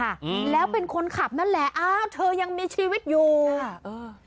อืมแล้วเป็นคนขับนั่นแหละอ้าวเธอยังมีชีวิตอยู่ค่ะเออ